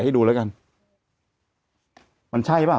แต่หนูจะเอากับน้องเขามาแต่ว่า